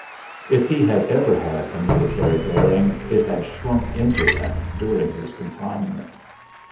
If he had ever had a military bearing it had shrunk into him during his confinement.